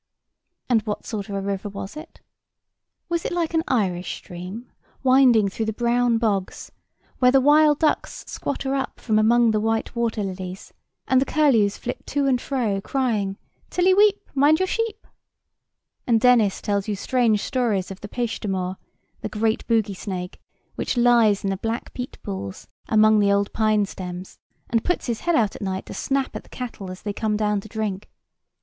And what sort of a river was it? Was it like an Irish stream, winding through the brown bogs, where the wild ducks squatter up from among the white water lilies, and the curlews flit to and fro, crying "Tullie wheep, mind your sheep;" and Dennis tells you strange stories of the Peishtamore, the great bogy snake which lies in the black peat pools, among the old pine stems, and puts his head out at night to snap at the cattle as they come down to drink?